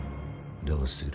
どうする？